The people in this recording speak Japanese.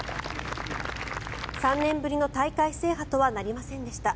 ３年ぶりの大会制覇とはなりませんでした。